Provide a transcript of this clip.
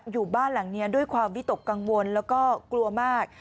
อยู่บ้านหลังนี้ด้วยความวิตกกังวลแล้วก็กลัวมาก